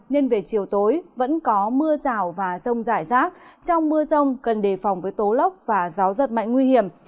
nên về chiều tối vẫn có mưa rào và rông rải rác trong mưa rông cần đề phòng với tố lốc và gió giật mạnh nguy hiểm